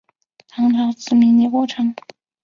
唐朝赐名李国昌。